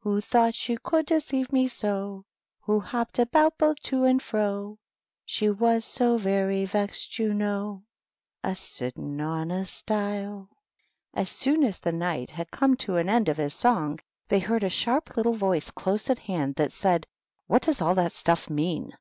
Who thought she could deceive me so; Who hopped about both to and fro, — She was so very vexed, you know, A sitting on a stile.'' As soon as the Knight had come to the end of his song, they heard a sharp little voice close at hand that said, " What does all that stuff mean